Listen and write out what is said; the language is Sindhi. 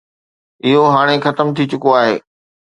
اهو هاڻي ختم ٿي چڪو آهي.